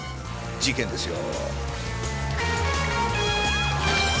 事件ですよ。